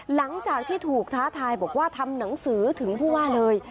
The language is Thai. หลังจากที่ถูกท้าทายบอกว่าทำหนังสือถึงผู้ว่าเลย